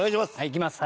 いきます